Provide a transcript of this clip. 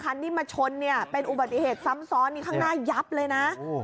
คันที่มาชนเนี่ยเป็นอุบัติเหตุซ้ำซ้อนนี่ข้างหน้ายับเลยนะ